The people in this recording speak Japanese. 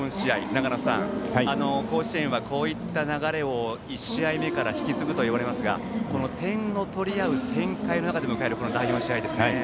長野さん、甲子園はこういった流れを１試合目から引き継ぐといわれますが点を取り合う展開の中で迎える第４試合ですね。